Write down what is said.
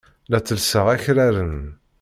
La ttellseɣ akraren.